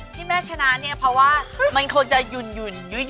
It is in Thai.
ที่แม่ชนะเนี่ยเพราะว่ามันคงจะหยุ่น